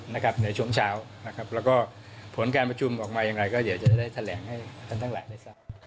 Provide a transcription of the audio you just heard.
แล้วก็ผลการประชุมออกมายังไงก็เดี๋ยวจะได้แถลงให้กันตั้งแหลกด้วยซัก